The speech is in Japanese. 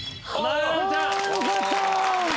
あよかった。